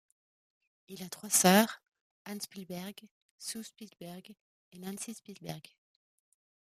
Il a trois sœurs Anne Spielberg, Sue Spielberg et Nancy Spielberg.